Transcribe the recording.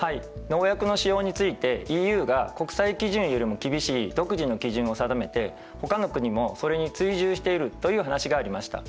農薬の使用についてＥＵが国際基準よりも厳しい独自の基準を定めてほかの国もそれに追従しているという話がありました。